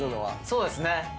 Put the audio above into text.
そうですね。